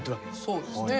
そうですね。